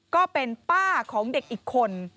ก็เป็นป้าของเด็กอีกคน